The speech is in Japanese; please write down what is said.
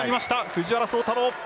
藤原崇太郎。